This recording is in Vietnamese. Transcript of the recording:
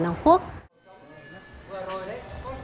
trèo làng quốc đã từng có thời vàng sau